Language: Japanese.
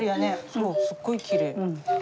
そうすごいきれい。